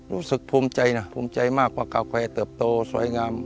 รู้สึกภูมิใจนะภูมิใจมากว่ากาแฟเติบโตสวยงาม